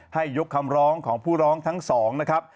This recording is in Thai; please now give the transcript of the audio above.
ยกคำร้องของผู้ร้องทั้งสองนะครับ